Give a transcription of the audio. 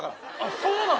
そうなの？